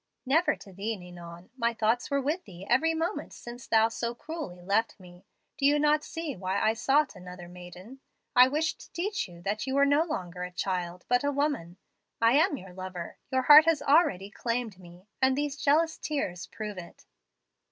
"'Never to thee, Ninon. My thoughts were with thee every moment since thou so cruelly left me. Do you not see why I sought another maiden? I wished to teach you that you were no longer a child, but a woman. I am your lover. Your heart has already claimed me, and these jealous tears prove it.'